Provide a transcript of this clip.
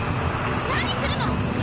何するの！